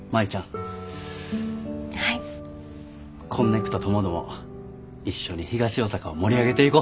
こんねくとともども一緒に東大阪を盛り上げていこ。